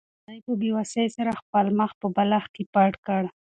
هغې په بې وسۍ سره خپل مخ په بالښت کې پټ کړ.